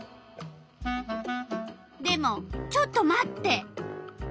でもちょっと待って。